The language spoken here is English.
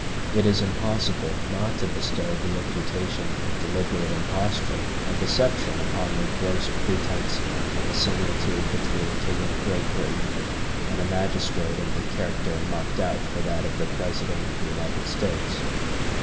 It is impossible not to bestow the imputation of deliberate imposture and deception upon the gross pretense of a similitude between a king of Great Britain and a magistrate of the character marked out for that of the President of the United States.